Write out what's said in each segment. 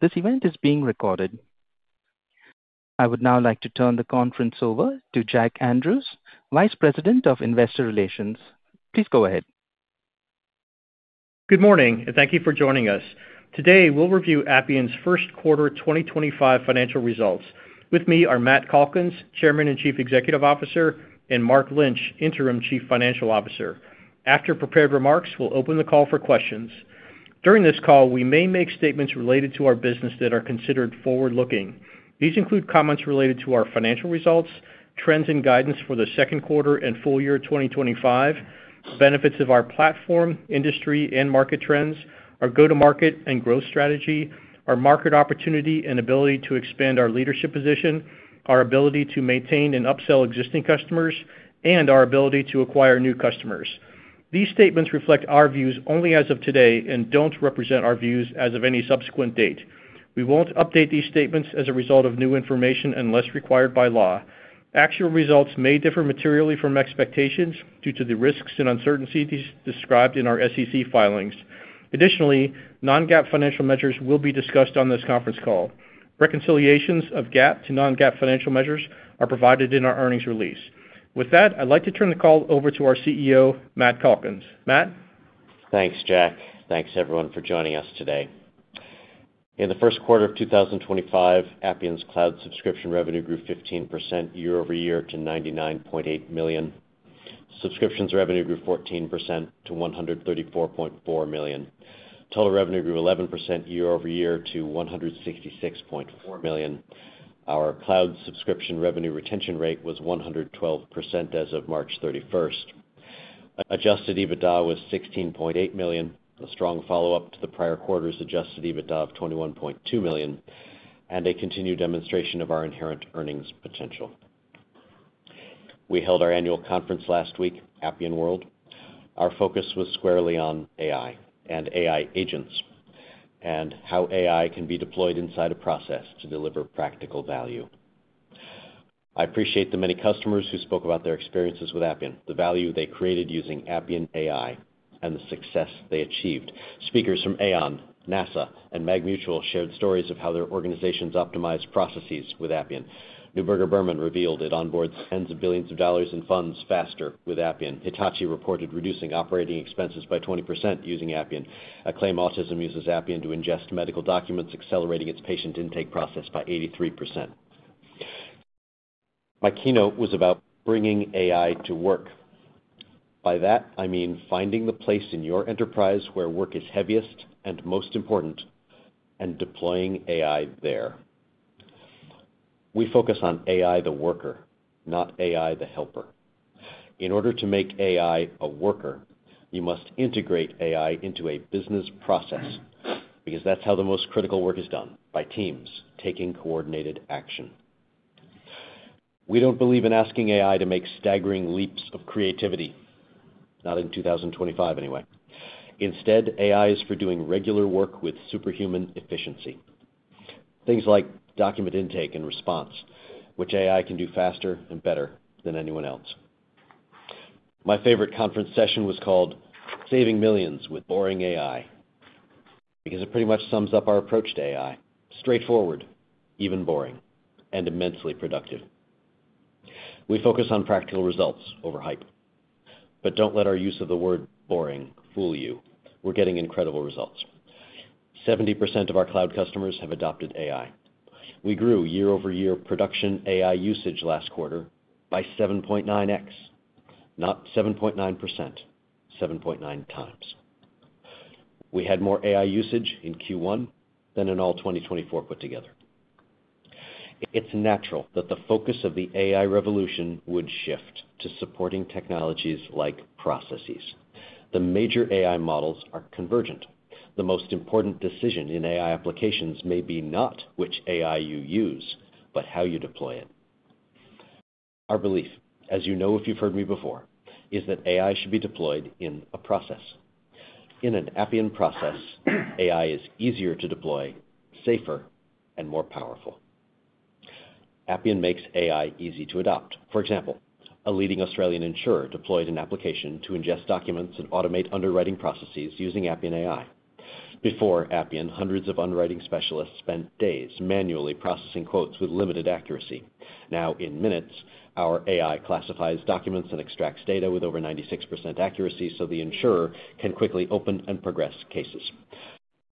This event is being recorded. I would now like to turn the conference over to Jack Andrews, Vice President of Investor Relations. Please go ahead. Good morning, and thank you for joining us. Today, we'll review Appian's first quarter 2025 financial results. With me are Matt Calkins, Chairman and Chief Executive Officer, and Mark Lynch, Interim Chief Financial Officer. After prepared remarks, we'll open the call for questions. During this call, we may make statements related to our business that are considered forward-looking. These include comments related to our financial results, trends and guidance for the second quarter and full year 2025, benefits of our platform, industry, and market trends, our go-to-market and growth strategy, our market opportunity and ability to expand our leadership position, our ability to maintain and upsell existing customers, and our ability to acquire new customers. These statements reflect our views only as of today and do not represent our views as of any subsequent date. We will not update these statements as a result of new information unless required by law. Actual results may differ materially from expectations due to the risks and uncertainties described in our SEC filings. Additionally, non-GAAP financial measures will be discussed on this conference call. Reconciliations of GAAP to non-GAAP financial measures are provided in our earnings release. With that, I'd like to turn the call over to our CEO, Matt Calkins. Matt. Thanks, Jack. Thanks, everyone, for joining us today. In the first quarter of 2025, Appian's cloud subscription revenue grew 15% year-over-year to $99.8 million. Subscriptions revenue grew 14% to $134.4 million. Total revenue grew 11% year-over-year to $166.4 million. Our cloud subscription revenue retention rate was 112% as of March 31. Adjusted EBITDA was $16.8 million, a strong follow-up to the prior quarter's adjusted EBITDA of $21.2 million, and a continued demonstration of our inherent earnings potential. We held our annual conference last week, Appian World. Our focus was squarely on AI and AI agents, and how AI can be deployed inside a process to deliver practical value. I appreciate the many customers who spoke about their experiences with Appian, the value they created using Appian AI, and the success they achieved. Speakers from Aon, NASA, and MagMutual shared stories of how their organizations optimized processes with Appian. Neuberger Berman revealed it onboards tens of billions of dollars in funds faster with Appian. Hitachi reported reducing operating expenses by 20% using Appian. Acclaim Autism uses Appian to ingest medical documents, accelerating its patient intake process by 83%. My keynote was about bringing AI to work. By that, I mean finding the place in your enterprise where work is heaviest and most important, and deploying AI there. We focus on AI the worker, not AI the helper. In order to make AI a worker, you must integrate AI into a business process because that is how the most critical work is done by teams, taking coordinated action. We do not believe in asking AI to make staggering leaps of creativity, not in 2025 anyway. Instead, AI is for doing regular work with superhuman efficiency, things like document intake and response, which AI can do faster and better than anyone else. My favorite conference session was called Saving Millions with Boring AI because it pretty much sums up our approach to AI: straightforward, even boring, and immensely productive. We focus on practical results over hype. Do not let our use of the word boring fool you. We're getting incredible results. 70% of our cloud customers have adopted AI. We grew year-over-year production AI usage last quarter by 7.9x, not 7.9%, 7.9 times. We had more AI usage in Q1 than in all 2024 put together. It's natural that the focus of the AI revolution would shift to supporting technologies like processes. The major AI models are convergent. The most important decision in AI applications may be not which AI you use, but how you deploy it. Our belief, as you know if you've heard me before, is that AI should be deployed in a process. In an Appian process, AI is easier to deploy, safer, and more powerful. Appian makes AI easy to adopt. For example, a leading Australian insurer deployed an application to ingest documents and automate underwriting processes using Appian AI. Before Appian, hundreds of underwriting specialists spent days manually processing quotes with limited accuracy. Now, in minutes, our AI classifies documents and extracts data with over 96% accuracy so the insurer can quickly open and progress cases.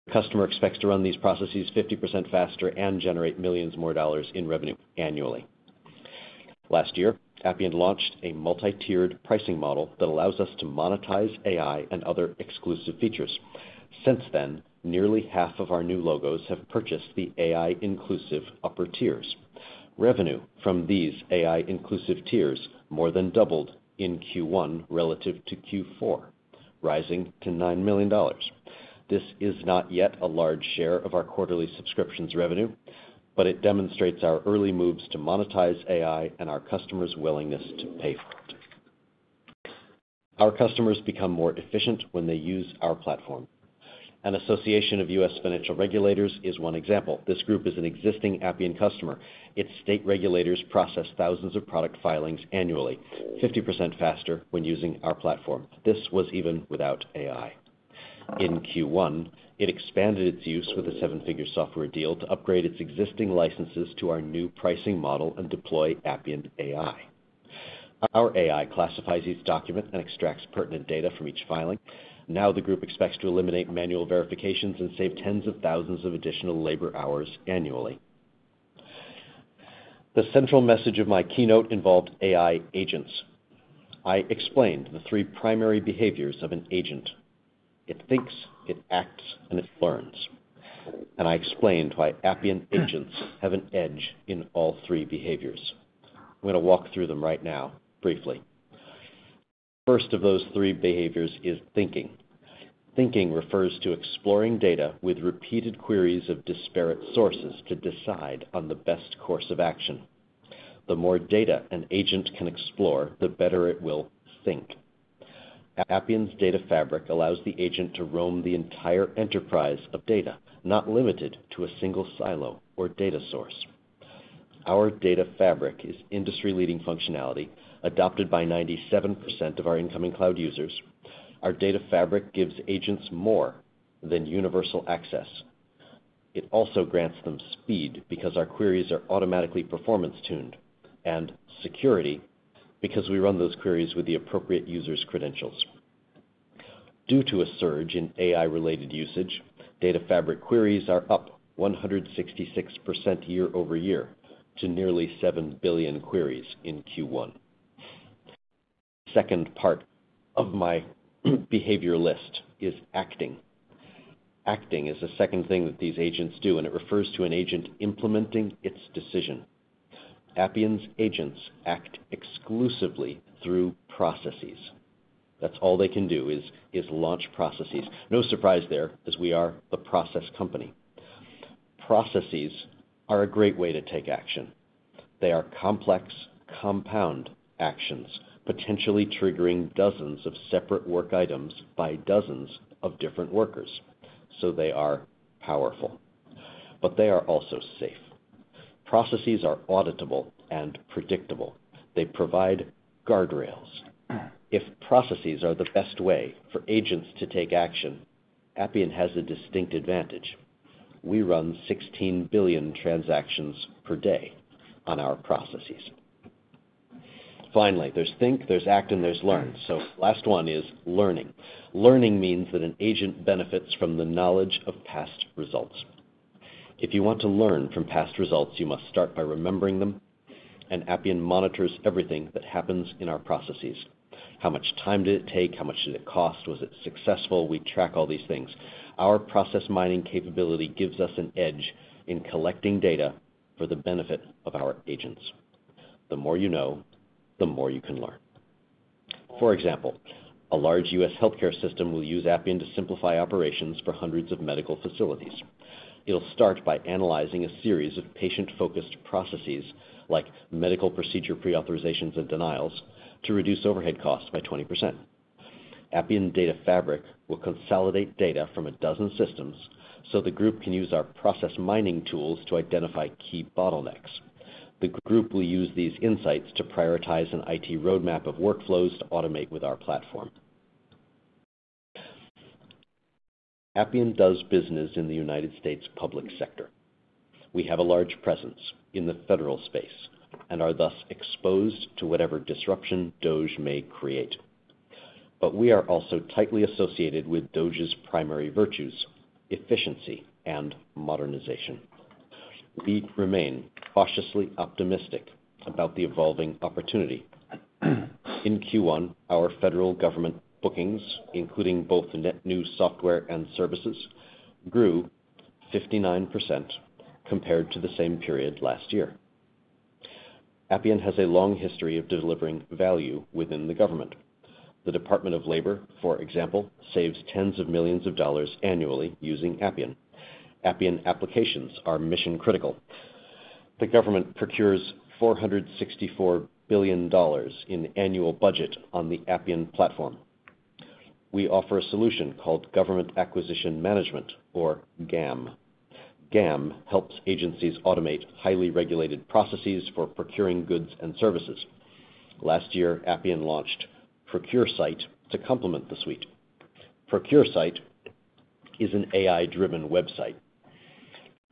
The customer expects to run these processes 50% faster and generate millions more dollars in revenue annually. Last year, Appian launched a multi-tiered pricing model that allows us to monetize AI and other exclusive features. Since then, nearly half of our new logos have purchased the AI-inclusive upper tiers. Revenue from these AI-inclusive tiers more than doubled in Q1 relative to Q4, rising to $9 million. This is not yet a large share of our quarterly subscriptions revenue, but it demonstrates our early moves to monetize AI and our customers' willingness to pay for it. Our customers become more efficient when they use our platform. An association of U.S. financial regulators is one example. This group is an existing Appian customer. Its state regulators process thousands of product filings annually, 50% faster when using our platform. This was even without AI. In Q1, it expanded its use with a seven-figure software deal to upgrade its existing licenses to our new pricing model and deploy Appian AI. Our AI classifies each document and extracts pertinent data from each filing. Now, the group expects to eliminate manual verifications and save tens of thousands of additional labor hours annually. The central message of my keynote involved AI agents. I explained the three primary behaviors of an agent. It thinks, it acts, and it learns. I explained why Appian agents have an edge in all three behaviors. I'm going to walk through them right now briefly. The first of those three behaviors is thinking. Thinking refers to exploring data with repeated queries of disparate sources to decide on the best course of action. The more data an agent can explore, the better it will think. Appian's Data Fabric allows the agent to roam the entire enterprise of data, not limited to a single silo or data source. Our Data Fabric is industry-leading functionality, adopted by 97% of our incoming cloud users. Our Data Fabric gives agents more than universal access. It also grants them speed because our queries are automatically performance-tuned, and security because we run those queries with the appropriate user's credentials. Due to a surge in AI-related usage, Data Fabric queries are up 166% year-over-year to nearly 7 billion queries in Q1. The second part of my behavior list is acting. Acting is the second thing that these agents do, and it refers to an agent implementing its decision. Appian's agents act exclusively through processes. That's all they can do is launch processes. No surprise there, as we are a process company. Processes are a great way to take action. They are complex, compound actions, potentially triggering dozens of separate work items by dozens of different workers. They are powerful, but they are also safe. Processes are auditable and predictable. They provide guardrails. If processes are the best way for agents to take action, Appian has a distinct advantage. We run 16 billion transactions per day on our processes. Finally, there's think, there's act, and there's learn. The last one is learning. Learning means that an agent benefits from the knowledge of past results. If you want to learn from past results, you must start by remembering them. Appian monitors everything that happens in our processes. How much time did it take? How much did it cost? Was it successful? We track all these things. Our process mining capability gives us an edge in collecting data for the benefit of our agents. The more you know, the more you can learn. For example, a large U.S. healthcare system will use Appian to simplify operations for hundreds of medical facilities. It'll start by analyzing a series of patient-focused processes, like medical procedure pre-authorizations and denials, to reduce overhead costs by 20%. Appian Data Fabric will consolidate data from a dozen systems so the group can use our process mining tools to identify key bottlenecks. The group will use these insights to prioritize an IT roadmap of workflows to automate with our platform. Appian does business in the United States public sector. We have a large presence in the federal space and are thus exposed to whatever disruption the Department of Labor may create. We are also tightly associated with the Department of Labor's primary virtues: efficiency and modernization. We remain cautiously optimistic about the evolving opportunity. In Q1, our federal government bookings, including both net new software and services, grew 59% compared to the same period last year. Appian has a long history of delivering value within the government. The Department of Labor, for example, saves tens of millions of dollars annually using Appian. Appian applications are mission-critical. The government procures $464 billion in annual budget on the Appian platform. We offer a solution called Government Acquisition Management, or GAM. GAM helps agencies automate highly regulated processes for procuring goods and services. Last year, Appian launched ProcureSite to complement the suite. ProcureSite is an AI-driven website.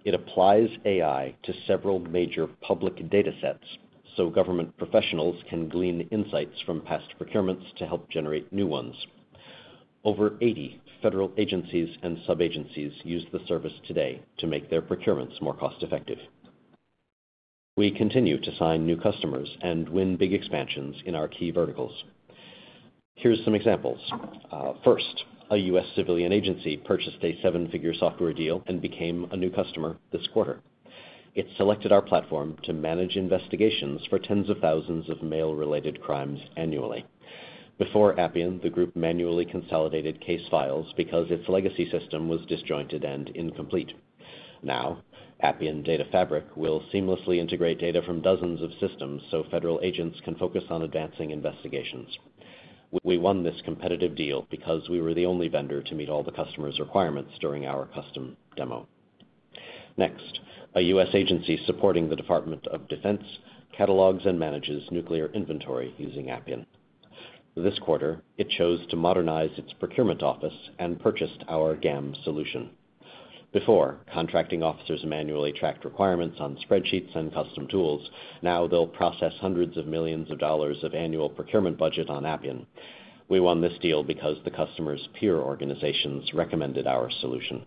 It applies AI to several major public data sets so government professionals can glean insights from past procurements to help generate new ones. Over 80 federal agencies and sub-agencies use the service today to make their procurements more cost-effective. We continue to sign new customers and win big expansions in our key verticals. Here's some examples. First, a U.S. civilian agency purchased a seven-figure software deal and became a new customer this quarter. It selected our platform to manage investigations for tens of thousands of male-related crimes annually. Before Appian, the group manually consolidated case files because its legacy system was disjointed and incomplete. Now, Appian Data Fabric will seamlessly integrate data from dozens of systems so federal agents can focus on advancing investigations. We won this competitive deal because we were the only vendor to meet all the customer's requirements during our custom demo. Next, a U.S. agency supporting the Department of Defense catalogs and manages nuclear inventory using Appian. This quarter, it chose to modernize its procurement office and purchased our GAM solution. Before, contracting officers manually tracked requirements on spreadsheets and custom tools. Now, they'll process hundreds of millions of dollars of annual procurement budget on Appian. We won this deal because the customer's peer organizations recommended our solution.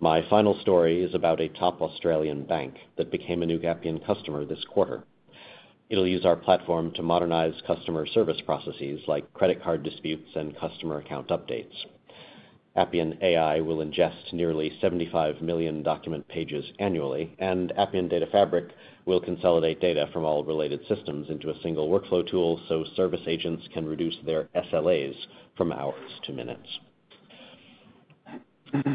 My final story is about a top Australian bank that became a new Appian customer this quarter. It'll use our platform to modernize customer service processes like credit card disputes and customer account updates. Appian AI will ingest nearly 75 million document pages annually, and Appian Data Fabric will consolidate data from all related systems into a single workflow tool so service agents can reduce their SLAs from hours to minutes.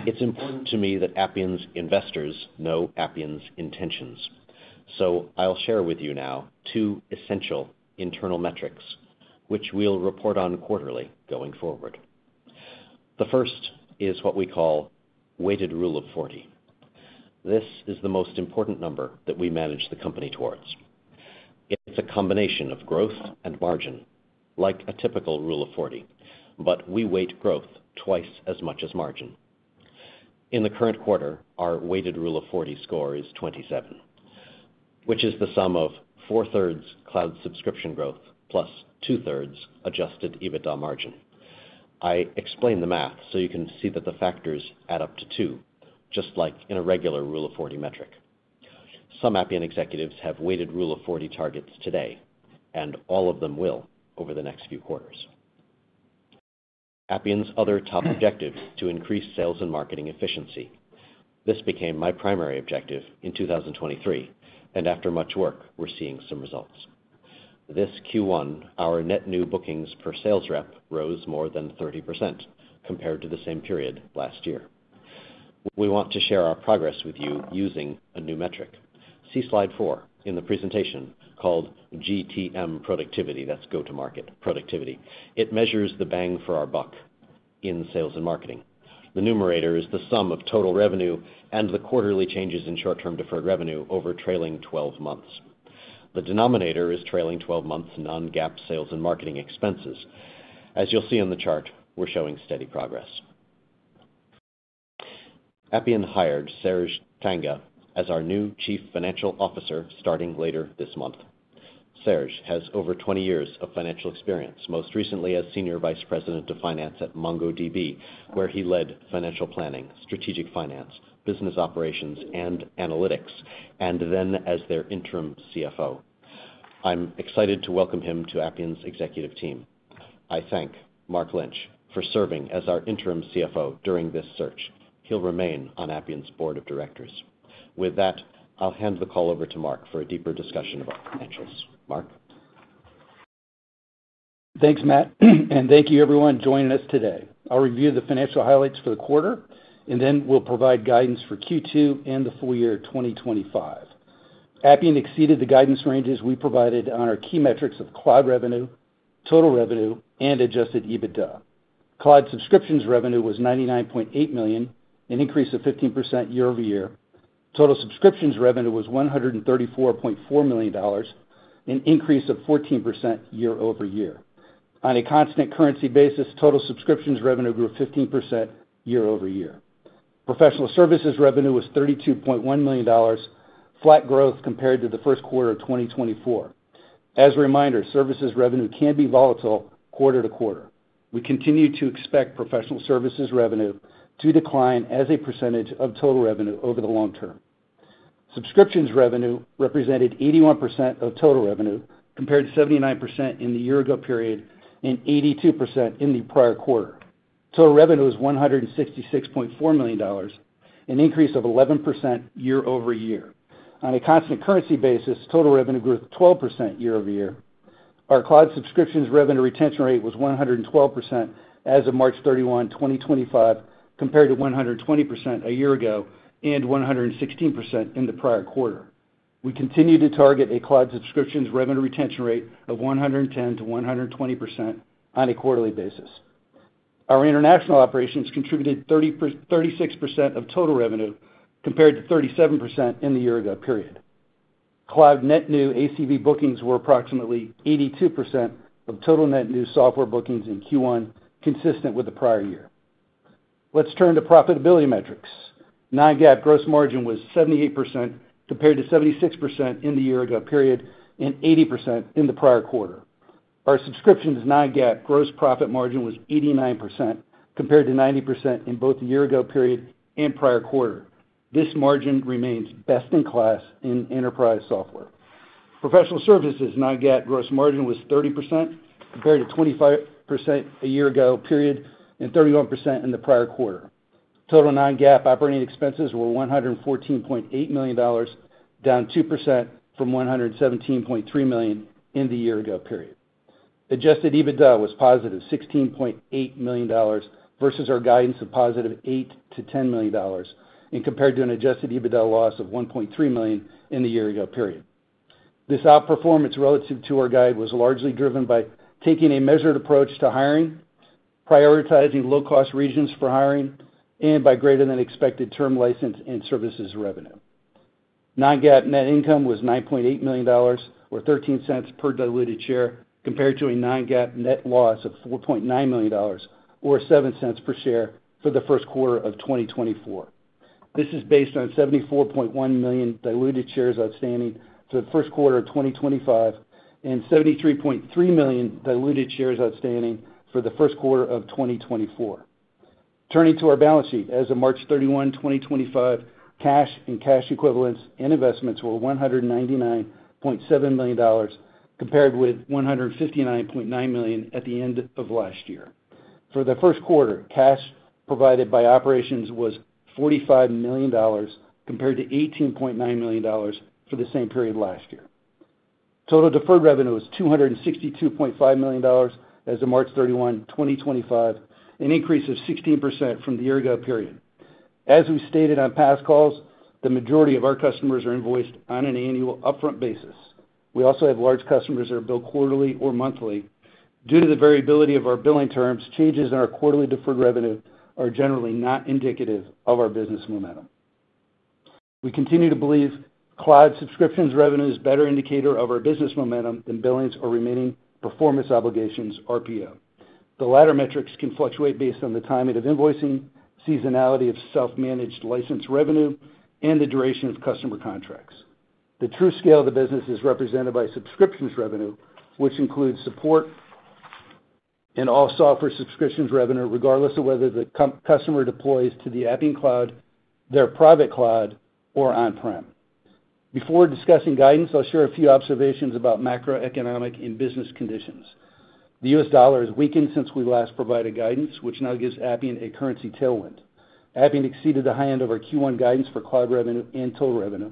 It's important to me that Appian's investors know Appian's intentions. I'll share with you now two essential internal metrics, which we'll report on quarterly going forward. The first is what we call Weighted Rule of 40. This is the most important number that we manage the company towards. It's a combination of growth and margin, like a typical Rule of 40, but we weight growth twice as much as margin. In the current quarter, our Weighted Rule of 40 score is 27, which is the sum of four-thirds cloud subscription growth plus two-thirds adjusted EBITDA margin. I explain the math so you can see that the factors add up to two, just like in a regular Rule of 40 metric. Some Appian executives have Weighted Rule of 40 targets today, and all of them will over the next few quarters. Appian's other top objectives are to increase sales and marketing efficiency. This became my primary objective in 2023, and after much work, we're seeing some results. This Q1, our net new bookings per sales rep rose more than 30% compared to the same period last year. We want to share our progress with you using a new metric. See slide four in the presentation called GTM Productivity. That's go-to-market productivity. It measures the bang for our buck in sales and marketing. The numerator is the sum of total revenue and the quarterly changes in short-term deferred revenue over trailing 12 months. The denominator is trailing 12 months non-GAAP sales and marketing expenses. As you'll see on the chart, we're showing steady progress. Appian hired Serge Tanjga as our new Chief Financial Officer starting later this month. Serge has over 20 years of financial experience, most recently as Senior Vice President of Finance at MongoDB, where he led financial planning, strategic finance, business operations, and analytics, and then as their interim CFO. I'm excited to welcome him to Appian's executive team. I thank Mark Lynch for serving as our interim CFO during this search. He'll remain on Appian's board of directors. With that, I'll hand the call over to Mark for a deeper discussion about financials. Mark. Thanks, Matt, and thank you, everyone, joining us today. I'll review the financial highlights for the quarter, and then we'll provide guidance for Q2 and the full year 2025. Appian exceeded the guidance ranges we provided on our key metrics of cloud revenue, total revenue, and adjusted EBITDA. Cloud subscriptions revenue was $99.8 million, an increase of 15% year-over-year. Total subscriptions revenue was $134.4 million, an increase of 14% year-over-year. On a constant currency basis, total subscriptions revenue grew 15% year-over-year. Professional services revenue was $32.1 million, flat growth compared to the first quarter of 2024. As a reminder, services revenue can be volatile quarter to quarter. We continue to expect professional services revenue to decline as a percentage of total revenue over the long term. Subscriptions revenue represented 81% of total revenue compared to 79% in the year-ago period and 82% in the prior quarter. Total revenue was $166.4 million, an increase of 11% year-over-year. On a constant currency basis, total revenue grew 12% year-over-year. Our cloud subscriptions revenue retention rate was 112% as of March 31, 2025, compared to 120% a year ago and 116% in the prior quarter. We continue to target a cloud subscriptions revenue retention rate of 110%-120% on a quarterly basis. Our international operations contributed 36% of total revenue compared to 37% in the year-ago period. Cloud net new ACV bookings were approximately 82% of total net new software bookings in Q1, consistent with the prior year. Let's turn to profitability metrics. Non-GAAP gross margin was 78% compared to 76% in the year-ago period and 80% in the prior quarter. Our subscriptions non-GAAP gross profit margin was 89% compared to 90% in both the year-ago period and prior quarter. This margin remains best in class in enterprise software. Professional services non-GAAP gross margin was 30% compared to 25% in the year-ago period and 31% in the prior quarter. Total non-GAAP operating expenses were $114.8 million, down 2% from $117.3 million in the year-ago period. Adjusted EBITDA was positive $16.8 million versus our guidance of positive $8-$10 million and compared to an adjusted EBITDA loss of $1.3 million in the year-ago period. This outperformance relative to our guide was largely driven by taking a measured approach to hiring, prioritizing low-cost regions for hiring, and by greater-than-expected term license and services revenue. Non-GAAP net income was $9.8 million or $0.13 per diluted share compared to a non-GAAP net loss of $4.9 million or $0.07 per share for the first quarter of 2024. This is based on 74.1 million diluted shares outstanding for the first quarter of 2025 and 73.3 million diluted shares outstanding for the first quarter of 2024. Turning to our balance sheet, as of March 31, 2025, cash and cash equivalents and investments were $199.7 million compared with $159.9 million at the end of last year. For the first quarter, cash provided by operations was $45 million compared to $18.9 million for the same period last year. Total deferred revenue was $262.5 million as of March 31, 2025, an increase of 16% from the year-ago period. As we stated on past calls, the majority of our customers are invoiced on an annual upfront basis. We also have large customers that are billed quarterly or monthly. Due to the variability of our billing terms, changes in our quarterly deferred revenue are generally not indicative of our business momentum. We continue to believe cloud subscriptions revenue is a better indicator of our business momentum than billings or remaining performance obligations RPO. The latter metrics can fluctuate based on the timing of invoicing, seasonality of self-managed license revenue, and the duration of customer contracts. The true scale of the business is represented by subscriptions revenue, which includes support and all software subscriptions revenue, regardless of whether the customer deploys to the Appian Cloud, their private cloud, or on-prem. Before discussing guidance, I'll share a few observations about macroeconomic and business conditions. The U.S. dollar has weakened since we last provided guidance, which now gives Appian a currency tailwind. Appian exceeded the high end of our Q1 guidance for cloud revenue and total revenue.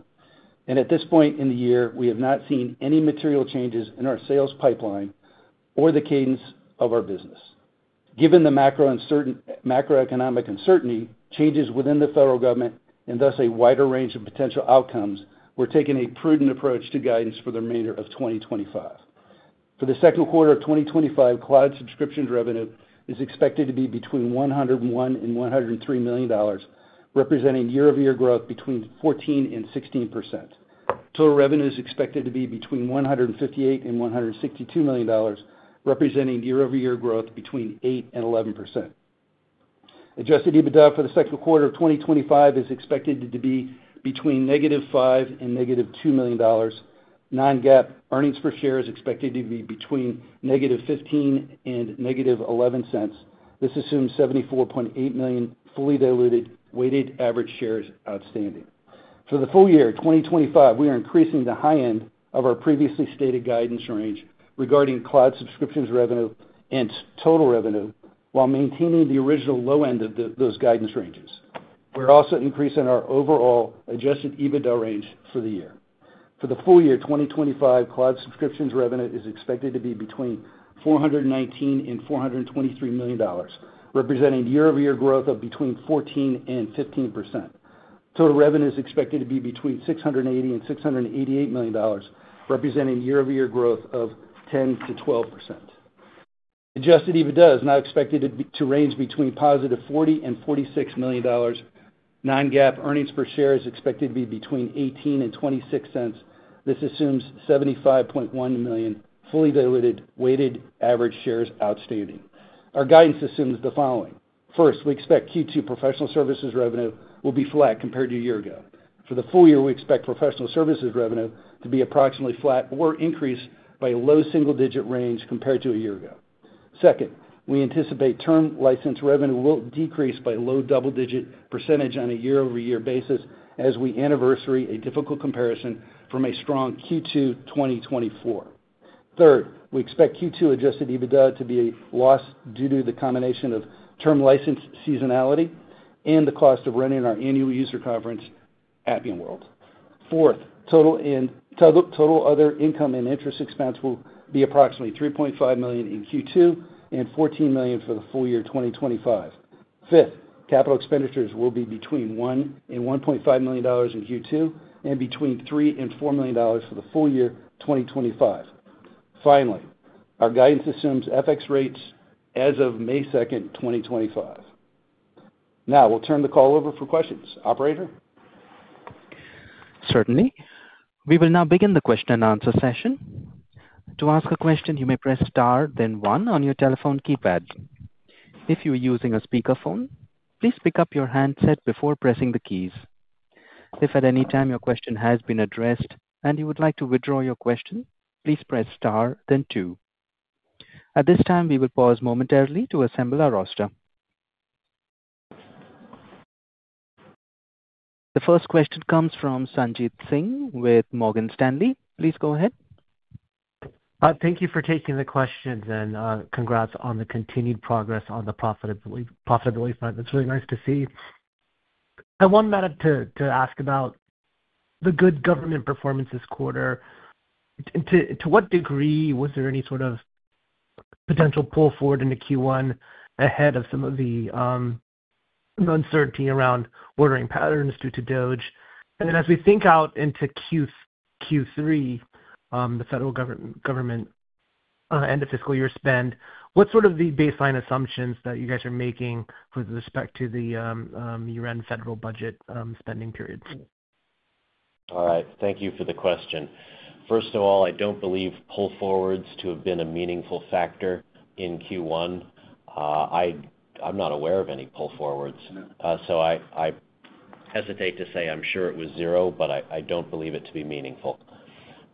At this point in the year, we have not seen any material changes in our sales pipeline or the cadence of our business. Given the macroeconomic uncertainty, changes within the federal government, and thus a wider range of potential outcomes, we are taking a prudent approach to guidance for the remainder of 2025. For the second quarter of 2025, cloud subscriptions revenue is expected to be between $101 million and $103 million, representing year-over-year growth between 14% and 16%. Total revenue is expected to be between $158 million and $162 million, representing year-over-year growth between 8% and 11%. Adjusted EBITDA for the second quarter of 2025 is expected to be between negative $5 million and negative $2 million. Non-GAAP earnings per share is expected to be between negative $0.15 and negative $0.11. This assumes 74.8 million fully diluted weighted average shares outstanding. For the full year 2025, we are increasing the high end of our previously stated guidance range regarding cloud subscriptions revenue and total revenue while maintaining the original low end of those guidance ranges. We're also increasing our overall adjusted EBITDA range for the year. For the full year 2025, cloud subscriptions revenue is expected to be between $419 million and $423 million, representing year-over-year growth of between 14% and 15%. Total revenue is expected to be between $680 million and $688 million, representing year-over-year growth of 10% to 12%. Adjusted EBITDA is now expected to range between positive $40 million and $46 million. Non-GAAP earnings per share is expected to be between $0.18 and $0.26. This assumes 75.1 million fully diluted weighted average shares outstanding. Our guidance assumes the following. First, we expect Q2 professional services revenue will be flat compared to a year ago. For the full year, we expect professional services revenue to be approximately flat or increase by a low single-digit range compared to a year ago. Second, we anticipate term license revenue will decrease by a low double-digit % on a year-over-year basis as we anniversary a difficult comparison from a strong Q2 2024. Third, we expect Q2 adjusted EBITDA to be a loss due to the combination of term license seasonality and the cost of running our annual user conference, Appian World. Fourth, total other income and interest expense will be approximately $3.5 million in Q2 and $14 million for the full year 2025. Fifth, capital expenditures will be between $1 and $1.5 million in Q2 and between $3 and $4 million for the full year 2025. Finally, our guidance assumes FX rates as of May 2, 2025. Now, we'll turn the call over for questions. Operator. Certainly. We will now begin the question and answer session. To ask a question, you may press Star, then 1 on your telephone keypad. If you are using a speakerphone, please pick up your handset before pressing the keys. If at any time your question has been addressed and you would like to withdraw your question, please press Star, then 2. At this time, we will pause momentarily to assemble our roster. The first question comes from Sanjit Singh with Morgan Stanley. Please go ahead. Thank you for taking the questions, and congrats on the continued progress on the profitability front. It's really nice to see. I wanted, Matt, to ask about the good government performance this quarter. To what degree was there any sort of potential pull forward in Q1 ahead of some of the uncertainty around ordering patterns due to DOGE? As we think out into Q3, the federal government and the fiscal year spend, what are the baseline assumptions that you guys are making with respect to the year-end federal budget spending period? All right. Thank you for the question. First of all, I do not believe pull forwards to have been a meaningful factor in Q1. I am not aware of any pull forwards. I hesitate to say I am sure it was zero, but I do not believe it to be meaningful.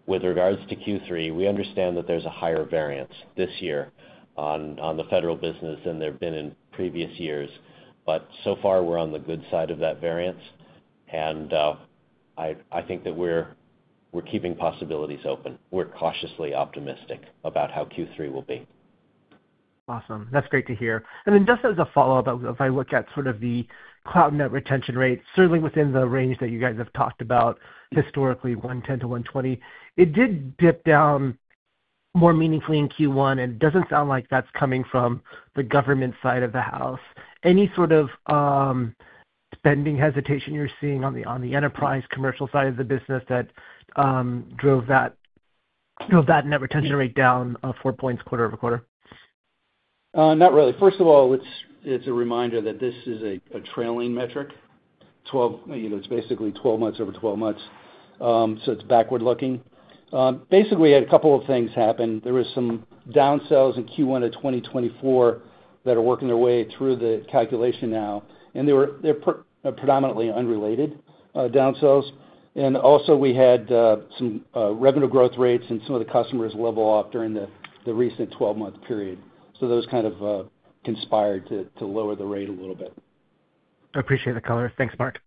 With regards to Q3, we understand that there is a higher variance this year on the federal business than there have been in previous years. So far, we are on the good side of that variance. I think that we're keeping possibilities open. We're cautiously optimistic about how Q3 will be. Awesome. That's great to hear. And then just as a follow-up, if I look at sort of the cloud net retention rate, certainly within the range that you guys have talked about historically, $110-$120, it did dip down more meaningfully in Q1, and it doesn't sound like that's coming from the government side of the house. Any sort of spending hesitation you're seeing on the enterprise commercial side of the business that drove that net retention rate down four points quarter over quarter? Not really. First of all, it's a reminder that this is a trailing metric. It's basically 12 months over 12 months. It's backward-looking. Basically, a couple of things happened. There were some downsells in Q1 of 2024 that are working their way through the calculation now. They're predominantly unrelated downsells. Also, we had some revenue growth rates and some of the customers level off during the recent 12-month period. Those kind of conspired to lower the rate a little bit. Appreciate the colors. Thanks, Mark.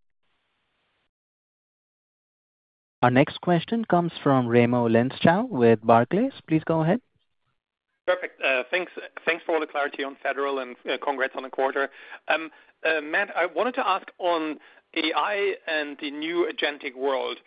Our next question comes from Raimo Lenschow with Barclays. Please go ahead. Perfect. Thanks for all the clarity on federal and congrats on the quarter. Matt, I wanted to ask on AI and the new agentic world.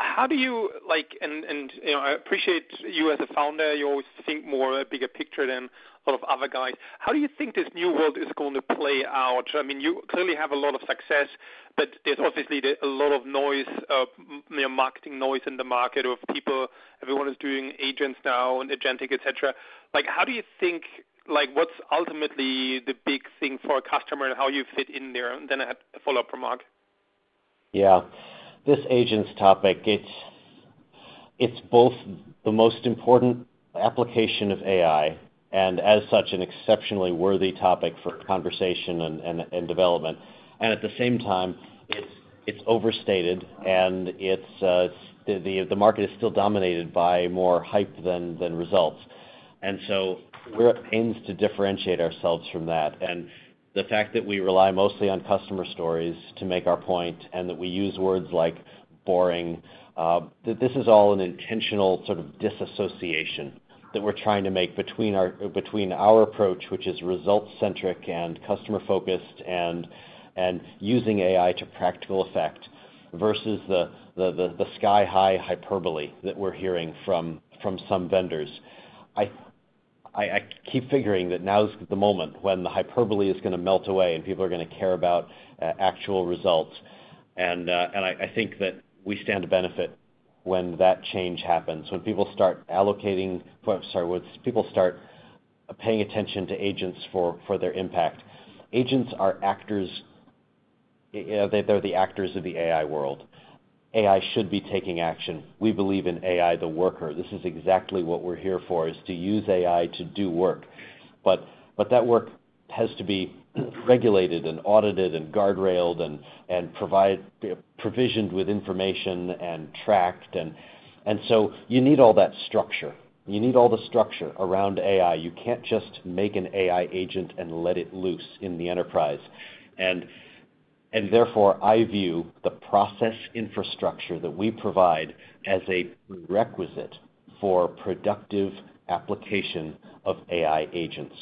How do you—and I appreciate you as a founder, you always think more bigger picture than a lot of other guys—how do you think this new world is going to play out? I mean, you clearly have a lot of success, but there's obviously a lot of marketing noise in the market of people. Everyone is doing agents now and agentic, etc. How do you think what's ultimately the big thing for a customer and how you fit in there? And then I have a follow-up from Mark. Yeah. This agents topic, it's both the most important application of AI and, as such, an exceptionally worthy topic for conversation and development. At the same time, it's overstated, and the market is still dominated by more hype than results. We are aiming to differentiate ourselves from that. The fact that we rely mostly on customer stories to make our point and that we use words like boring, this is all an intentional sort of disassociation that we're trying to make between our approach, which is results-centric and customer-focused and using AI to practical effect versus the sky-high hyperbole that we're hearing from some vendors. I keep figuring that now's the moment when the hyperbole is going to melt away and people are going to care about actual results. I think that we stand to benefit when that change happens, when people start allocating—sorry, when people start paying attention to agents for their impact. Agents are actors. They're the actors of the AI world. AI should be taking action. We believe in AI, the worker. This is exactly what we're here for, is to use AI to do work. That work has to be regulated and audited and guardrailed and provisioned with information and tracked. You need all that structure. You need all the structure around AI. You can't just make an AI agent and let it loose in the enterprise. Therefore, I view the process infrastructure that we provide as a prerequisite for productive application of AI agents,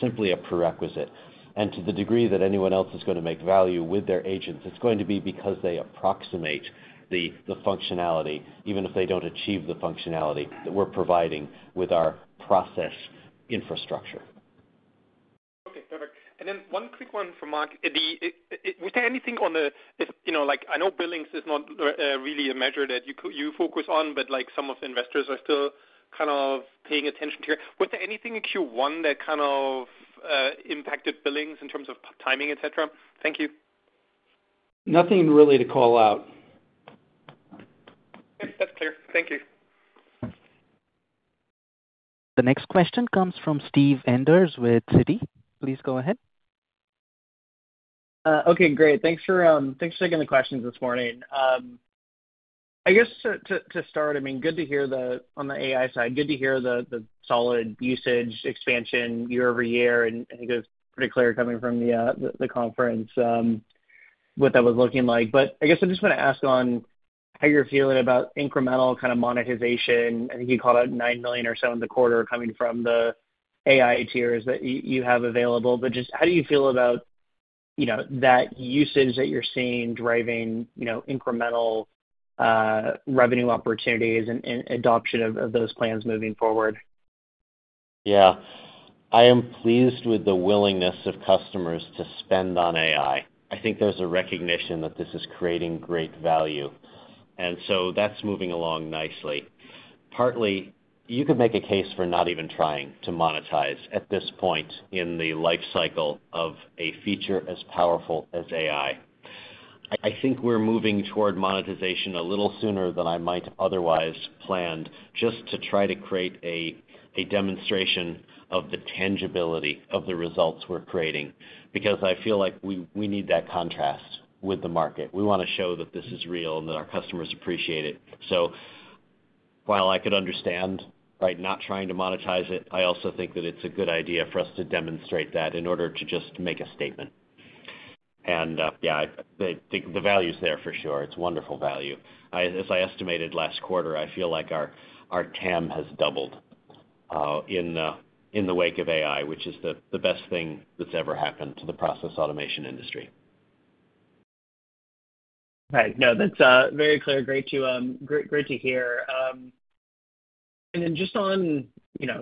simply a prerequisite. To the degree that anyone else is going to make value with their agents, it is going to be because they approximate the functionality, even if they do not achieve the functionality that we are providing with our process infrastructure. Okay. Perfect. One quick one for Mark. Was there anything on the—I know billings is not really a measure that you focus on, but some of the investors are still kind of paying attention to it. Was there anything in Q1 that kind of impacted billings in terms of timing, etc.? Thank you. Nothing really to call out. Okay. That is clear. Thank you. The next question comes from Steve Enders with Citi. Please go ahead. Okay. Great. Thanks for taking the questions this morning. I guess to start, I mean, good to hear on the AI side, good to hear the solid usage expansion year-over-year. I think it was pretty clear coming from the conference what that was looking like. I just want to ask on how you're feeling about incremental kind of monetization. I think you called out $9 million or so in the quarter coming from the AI tiers that you have available. Just how do you feel about that usage that you're seeing driving incremental revenue opportunities and adoption of those plans moving forward? Yeah. I am pleased with the willingness of customers to spend on AI. I think there's a recognition that this is creating great value. That is moving along nicely. Partly, you could make a case for not even trying to monetize at this point in the lifecycle of a feature as powerful as AI. I think we're moving toward monetization a little sooner than I might otherwise have planned, just to try to create a demonstration of the tangibility of the results we're creating. Because I feel like we need that contrast with the market. We want to show that this is real and that our customers appreciate it. While I could understand not trying to monetize it, I also think that it's a good idea for us to demonstrate that in order to just make a statement. Yeah, I think the value's there for sure. It's wonderful value. As I estimated last quarter, I feel like our TAM has doubled in the wake of AI, which is the best thing that's ever happened to the process automation industry. Right. No, that's very clear. Great to hear. And then just on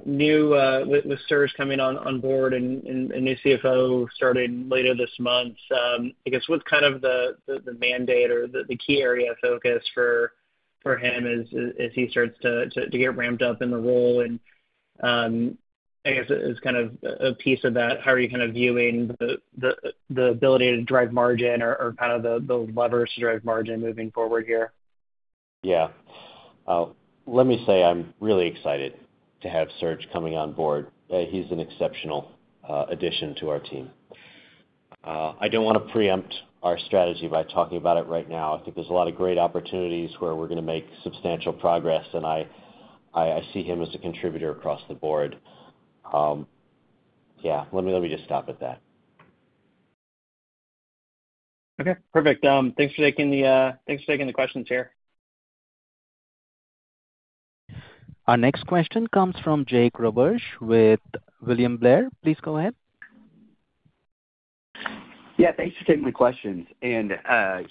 new with Serge coming on board and a new CFO starting later this month, I guess what's kind of the mandate or the key area of focus for him as he starts to get ramped up in the role? And I guess it's kind of a piece of that. How are you kind of viewing the ability to drive margin or kind of the levers to drive margin moving forward here? Yeah. Let me say I'm really excited to have Serge coming on board. He's an exceptional addition to our team. I don't want to preempt our strategy by talking about it right now. I think there's a lot of great opportunities where we're going to make substantial progress, and I see him as a contributor across the board. Yeah. Let me just stop at that. Okay. Perfect. Thanks for taking the—thanks for taking the questions here. Our next question comes from Jake Radenbaugh with William Blair. Please go ahead. Yeah. Thanks for taking the questions. And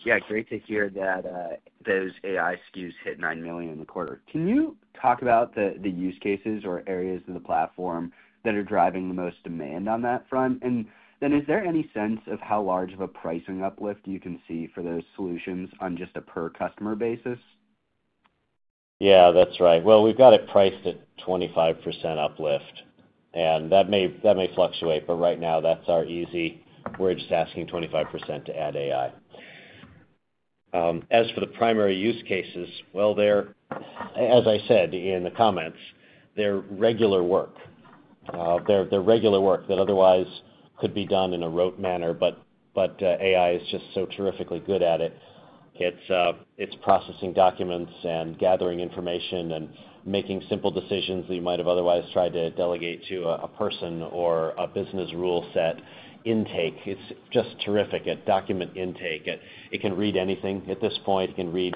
yeah, great to hear that those AI SKUs hit $9 million in the quarter. Can you talk about the use cases or areas of the platform that are driving the most demand on that front? And then is there any sense of how large of a pricing uplift you can see for those solutions on just a per-customer basis? Yeah, that's right. We've got it priced at 25% uplift. That may fluctuate, but right now, that's our easy—we're just asking 25% to add AI. As for the primary use cases, as I said in the comments, they're regular work. They're regular work that otherwise could be done in a rote manner, but AI is just so terrifically good at it. It's processing documents and gathering information and making simple decisions that you might have otherwise tried to delegate to a person or a business rule set intake. It's just terrific at document intake. It can read anything at this point. It can read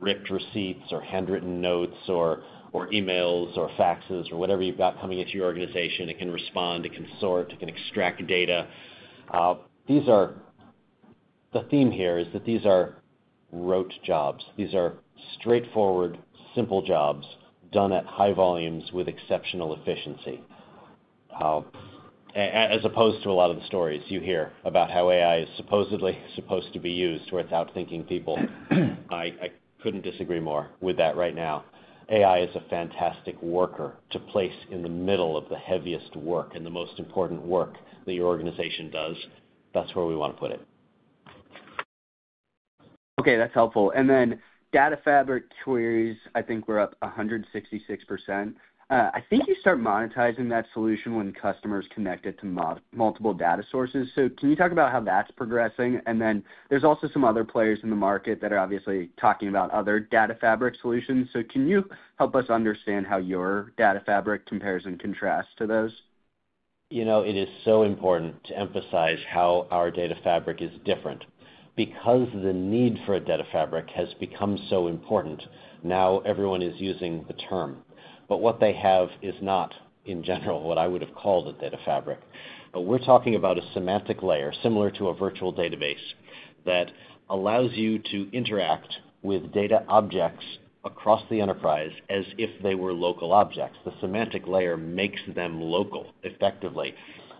ripped receipts or handwritten notes or emails or faxes or whatever you've got coming into your organization. It can respond. It can sort. It can extract data. The theme here is that these are rote jobs. These are straightforward, simple jobs done at high volumes with exceptional efficiency. As opposed to a lot of the stories you hear about how AI is supposedly supposed to be used to without thinking people, I could not disagree more with that right now. AI is a fantastic worker to place in the middle of the heaviest work and the most important work that your organization does. That is where we want to put it. Okay. That is helpful. And then Data Fabric queries, I think we are up 166%. I think you start monetizing that solution when customers connect it to multiple data sources. Can you talk about how that is progressing? There are also some other players in the market that are obviously talking about other data fabric solutions. Can you help us understand how your Data Fabric compares and contrasts to those? It is so important to emphasize how our Data Fabric is different. Because the need for a data fabric has become so important, now everyone is using the term. What they have is not, in general, what I would have called a data fabric. We are talking about a semantic layer similar to a virtual database that allows you to interact with data objects across the enterprise as if they were local objects. The semantic layer makes them local, effectively.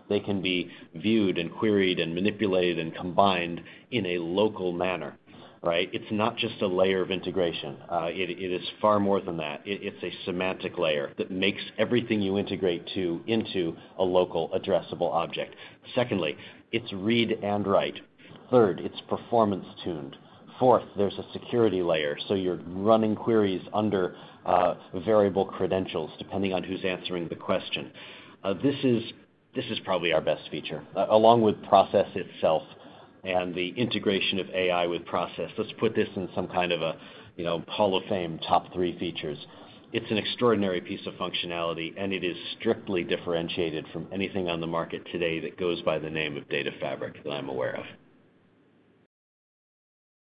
They can be viewed and queried and manipulated and combined in a local manner, right? It is not just a layer of integration. It is far more than that. It is a semantic layer that makes everything you integrate into a local, addressable object. Secondly, it is read and write. Third, it is performance-tuned. Fourth, there is a security layer. You are running queries under variable credentials depending on who is answering the question. This is probably our best feature. Along with process itself and the integration of AI with process, let's put this in some kind of a Hall of Fame top three features. It's an extraordinary piece of functionality, and it is strictly differentiated from anything on the market today that goes by the name of Data Fabric that I'm aware of.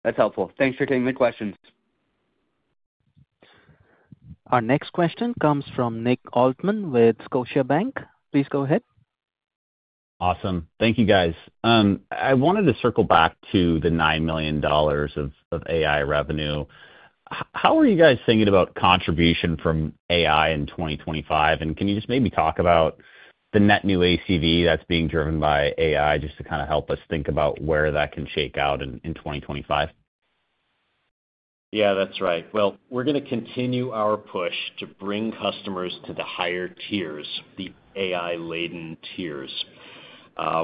That's helpful. Thanks for taking the questions. Our next question comes from Nick Altmann with Scotiabank. Please go ahead. Awesome. Thank you, guys. I wanted to circle back to the $9 million of AI revenue. How are you guys thinking about contribution from AI in 2025? And can you just maybe talk about the net new ACV that's being driven by AI just to kind of help us think about where that can shake out in 2025? Yeah, that's right. We're going to continue our push to bring customers to the higher tiers, the AI-laden tiers.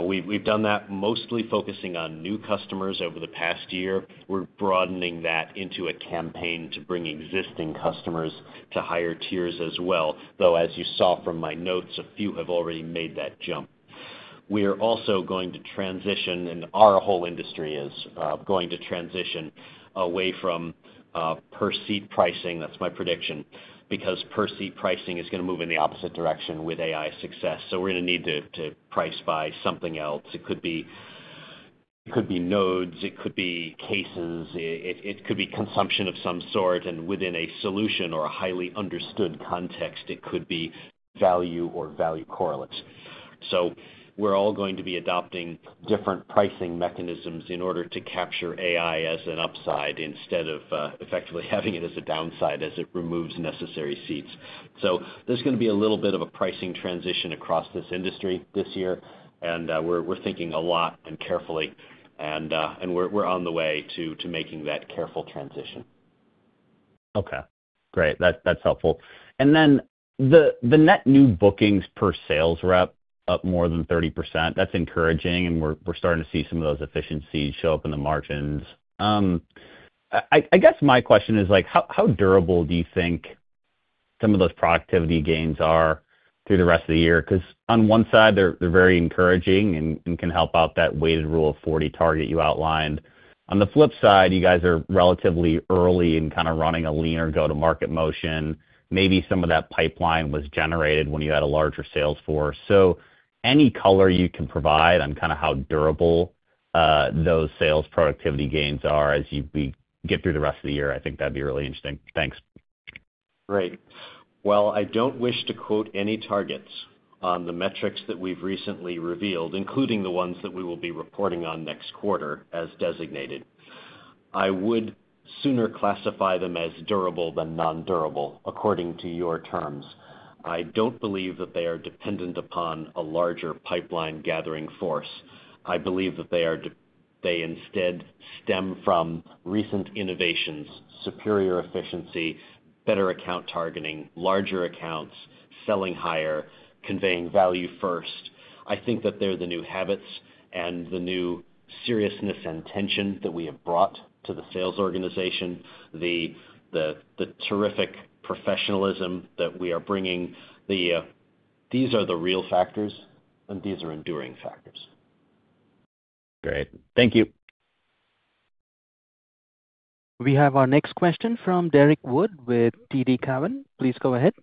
We've done that mostly focusing on new customers over the past year. We're broadening that into a campaign to bring existing customers to higher tiers as well. Though, as you saw from my notes, a few have already made that jump. We are also going to transition, and our whole industry is going to transition away from per-seat pricing. That's my prediction. Because per-seat pricing is going to move in the opposite direction with AI success. We're going to need to price by something else. It could be nodes. It could be cases. It could be consumption of some sort. Within a solution or a highly understood context, it could be value or value correlates. We're all going to be adopting different pricing mechanisms in order to capture AI as an upside instead of effectively having it as a downside as it removes necessary seats. There's going to be a little bit of a pricing transition across this industry this year. We're thinking a lot and carefully. We're on the way to making that careful transition. Okay. Great. That's helpful. The net new bookings per sales rep up more than 30%. That's encouraging. We're starting to see some of those efficiencies show up in the margins. I guess my question is, how durable do you think some of those productivity gains are through the rest of the year? Because on one side, they're very encouraging and can help out that weighted rule of 40 target you outlined. On the flip side, you guys are relatively early in kind of running a leaner go-to-market motion. Maybe some of that pipeline was generated when you had a larger sales force. So any color you can provide on kind of how durable those sales productivity gains are as you get through the rest of the year, I think that'd be really interesting. Thanks. Great. I don't wish to quote any targets on the metrics that we've recently revealed, including the ones that we will be reporting on next quarter as designated. I would sooner classify them as durable than non-durable according to your terms. I don't believe that they are dependent upon a larger pipeline gathering force. I believe that they instead stem from recent innovations, superior efficiency, better account targeting, larger accounts, selling higher, conveying value first. I think that they're the new habits and the new seriousness and tension that we have brought to the sales organization, the terrific professionalism that we are bringing. These are the real factors, and these are enduring factors. Great. Thank you. We have our next question from Derrick Wood with TD Cowen. Please go ahead.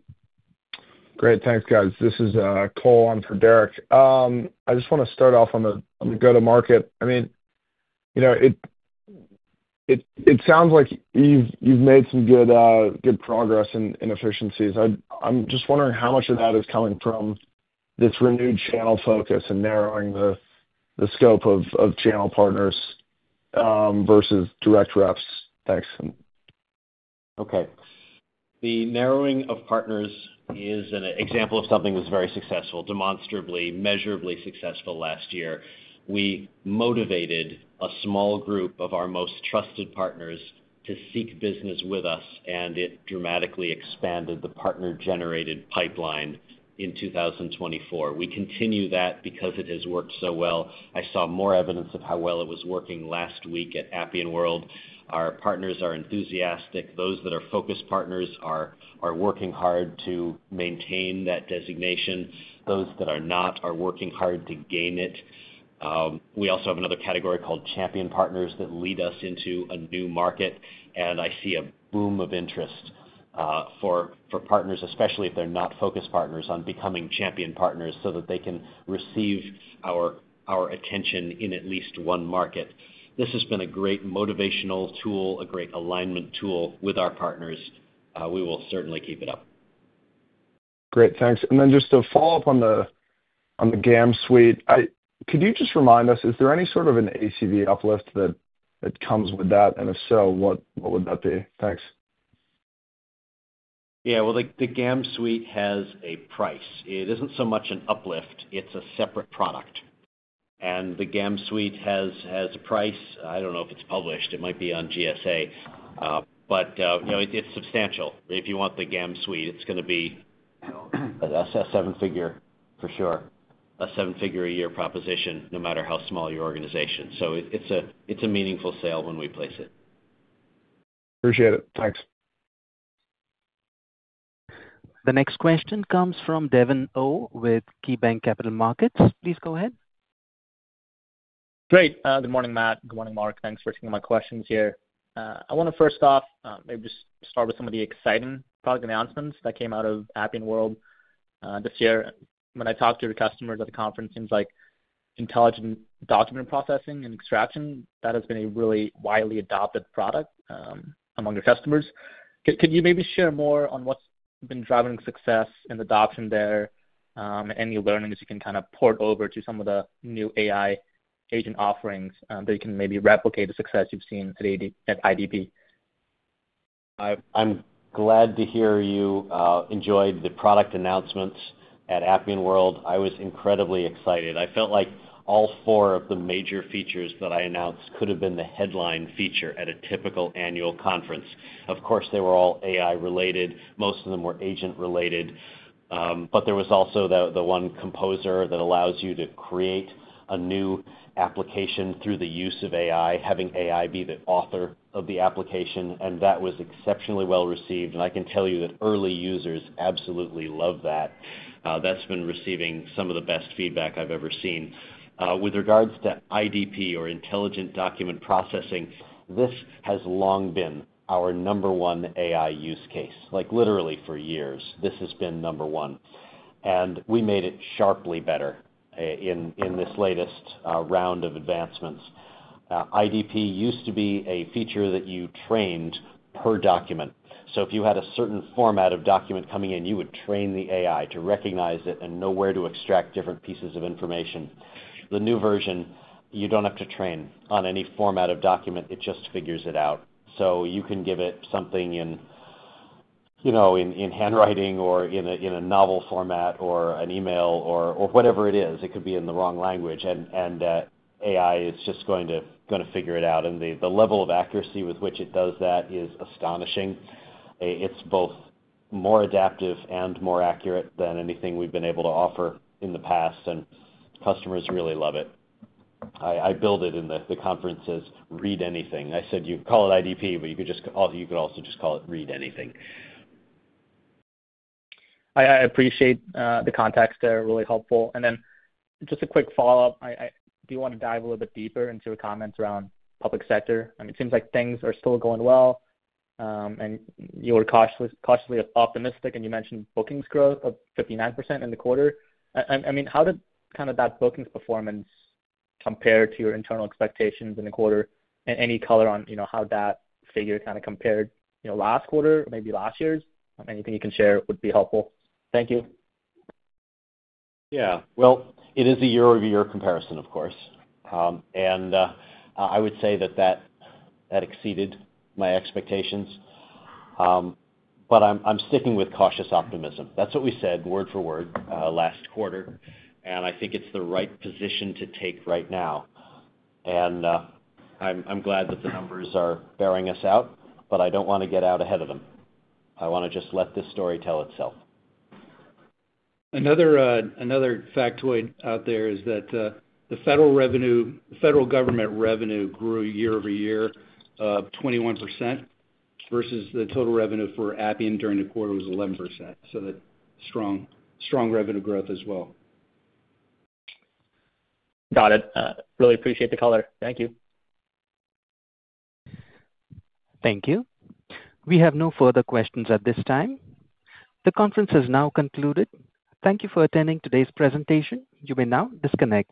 Great. Thanks, guys. This is Cole on for Derrick. I just want to start off on the go-to-market. I mean, it sounds like you've made some good progress in efficiencies. I'm just wondering how much of that is coming from this renewed channel focus and narrowing the scope of channel partners versus direct reps. Thanks. Okay. The narrowing of partners is an example of something that was very successful, demonstrably, measurably successful last year. We motivated a small group of our most trusted partners to seek business with us, and it dramatically expanded the partner-generated pipeline in 2024. We continue that because it has worked so well. I saw more evidence of how well it was working last week at Appian World. Our partners are enthusiastic. Those that are focused partners are working hard to maintain that designation. Those that are not are working hard to gain it. We also have another category called champion partners that lead us into a new market. I see a boom of interest for partners, especially if they are not focused partners, on becoming champion partners so that they can receive our attention in at least one market. This has been a great motivational tool, a great alignment tool with our partners. We will certainly keep it up. Great. Thanks. Just to follow up on the GAM suite, could you just remind us, is there any sort of an ACV uplift that comes with that? And if so, what would that be? Thanks. Yeah. The GAM suite has a price. It is not so much an uplift. It is a separate product. The GAM suite has a price. I do not know if it is published. It might be on GSA. It is substantial. If you want the GAM suite, it is going to be a seven-figure for sure. A seven-figure a year proposition, no matter how small your organization. It is a meaningful sale when we place it. Appreciate it. Thanks. The next question comes from Devin Au with KeyBanc Capital Markets. Please go ahead. Great. Good morning, Matt. Good morning, Mark. Thanks for taking my questions here. I want to first off, maybe just start with some of the exciting product announcements that came out of Appian World this year. When I talked to your customers at the conference, it seems like intelligent document processing and extraction, that has been a really widely adopted product among your customers. Could you maybe share more on what's been driving success in the adoption there and any learnings you can kind of port over to some of the new AI agent offerings that you can maybe replicate the success you've seen at IDP? I'm glad to hear you enjoyed the product announcements at Appian World. I was incredibly excited. I felt like all four of the major features that I announced could have been the headline feature at a typical annual conference. Of course, they were all AI-related. Most of them were agent-related. There was also the one composer that allows you to create a new application through the use of AI, having AI be the author of the application. That was exceptionally well received. I can tell you that early users absolutely love that. That's been receiving some of the best feedback I've ever seen. With regards to IDP or intelligent document processing, this has long been our number one AI use case. Literally, for years, this has been number one. We made it sharply better in this latest round of advancements. IDP used to be a feature that you trained per document. If you had a certain format of document coming in, you would train the AI to recognize it and know where to extract different pieces of information. The new version, you do not have to train on any format of document. It just figures it out. You can give it something in handwriting or in a novel format or an email or whatever it is. It could be in the wrong language. AI is just going to figure it out. The level of accuracy with which it does that is astonishing. It is both more adaptive and more accurate than anything we have been able to offer in the past. Customers really love it. I billed it in the conference as read anything. I said you could call it IDP, but you could also just call it read anything. I appreciate the context. They are really helpful. Just a quick follow-up. Do you want to dive a little bit deeper into your comments around public sector? I mean, it seems like things are still going well. You were cautiously optimistic. You mentioned bookings growth of 59% in the quarter. I mean, how did kind of that bookings performance compare to your internal expectations in the quarter? Any color on how that figure kind of compared last quarter, maybe last year's? Anything you can share would be helpful. Thank you. Yeah. It is a year-over-year comparison, of course. I would say that that exceeded my expectations. I'm sticking with cautious optimism. That's what we said word for word last quarter. I think it's the right position to take right now. I'm glad that the numbers are bearing us out. I don't want to get out ahead of them. I want to just let this story tell itself. Another factoid out there is that the federal government revenue grew year-over-year of 21% versus the total revenue for Appian during the quarter was 11%. So that's strong revenue growth as well. Got it. Really appreciate the color. Thank you. Thank you. We have no further questions at this time. The conference has now concluded. Thank you for attending today's presentation. You may now disconnect.